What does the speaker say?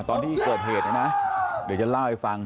ตอนที่เกิดเหตุนะนะเดี๋ยวจะเล่าให้ฟัง